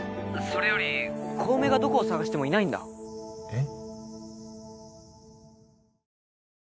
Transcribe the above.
それより小梅がどこを捜してもいないんだえっ？